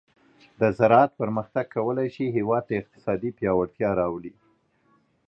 د زراعت پرمختګ کولی شي هیواد ته اقتصادي پیاوړتیا راولي.